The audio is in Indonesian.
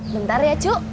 bentar ya cu